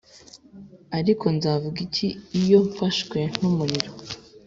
ariko nzavuga iki iyo mfashwe n'umuriro